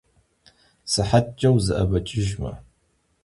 Sıhetç'e vuze'ebeç'ıjjme.